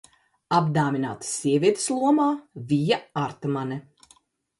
Apdāvinātas sievietes lomā: Vija Artmane.